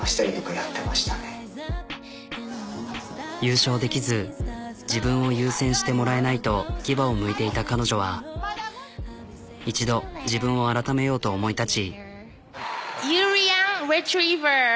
優勝できず自分を優先してもらえないと牙をむいていた彼女は一度自分を改めようと思い立ち。